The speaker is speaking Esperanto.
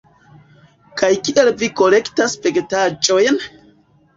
Kaj kial vi kolektas vegetaĵojn?